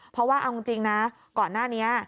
เพราะว่าเอาจริงนะก่อนหน้านี้